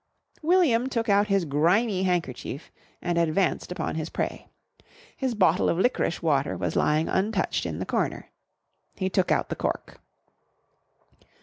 William took out his grimy handkerchief and advanced upon his prey. His bottle of licorice water was lying untouched in the corner. He took out the cork.